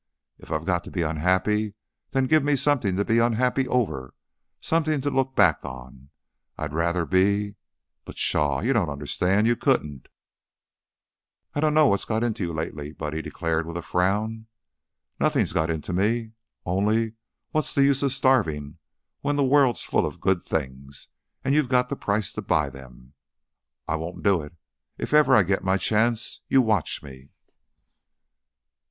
If I've got to be unhappy, then give me something to be unhappy over; something to look back on. I'd rather be But, pshaw! You don't understand. You couldn't." "I dunno what's got into you lately," Buddy declared, with a frown. "Nothing's got into me. Only, what's the use of starving when the world's full of good things and you've got the price to buy them? I won't do it. If ever I get my chance, you watch me!"